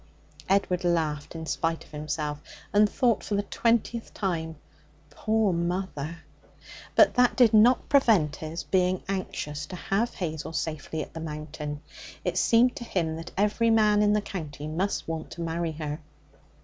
Edward laughed in spite of himself, and thought for the twentieth time, 'Poor mother!' But that did not prevent his being anxious to have Hazel safely at the Mountain. It seemed to him that every man in the county must want to marry her.